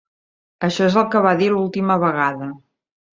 Això és el que va dir l'última vegada.